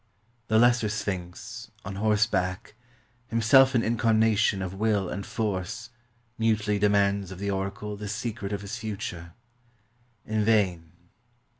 The lesser Sphinx, on horseback, himself an incarnation of will and force, mutely demands of the oracle the secret of his future. In vain.